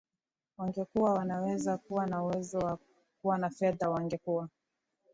wangekuwa wanaweza kuwa na uwezo wa kuwa na fedha wangekuwa